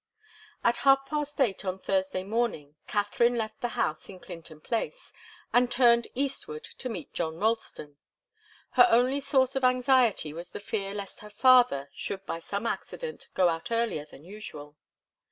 At half past eight on Thursday morning Katharine left the house in Clinton Place, and turned eastward to meet John Ralston. Her only source of anxiety was the fear lest her father should by some accident go out earlier than usual.